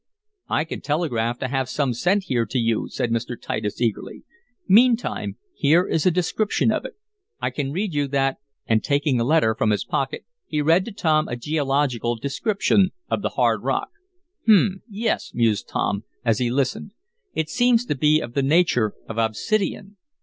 "I can telegraph to have some sent here to you," said Mr. Titus eagerly. "Meantime, here is a description of it. I can read you that"; and, taking a letter from his pocket, he read to Tom a geological description of the hard rock. "Hum! Yes," mused Tom, as he listened. "It seems to be of the nature of obsidian."